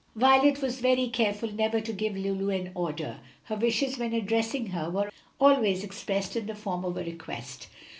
Violet was very careful never to give Lulu an order; her wishes when addressing her were always expressed in the form of a request.